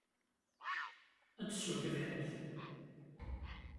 Ad tessew tibḥirt.